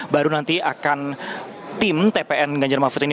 baru nanti akan tim tpn ganjar mahfud ini